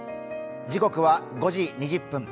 時刻は５時２０分。